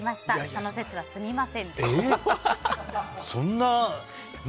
その節はすみませんでした。